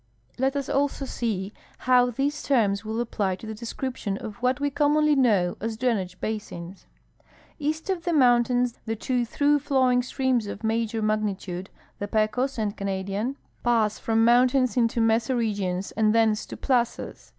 Let us also see how these terms Avill apply to the description of what we commonly know as drainage basins. East of the mountains the two through flowing streams of major magnitude, the Pecos and Canadian, pass from mountains into mesa regions and thence to plazas.